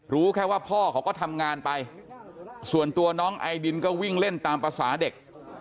รู้แค่ว่าพ่อเขาก็ทำงานไปส่วนตัวน้องไอดินก็วิ่งเล่นตามภาษาเด็ก